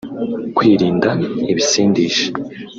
kwirinda ibisindisha